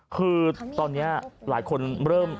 คือตอนนี้หลายคนเริ่ม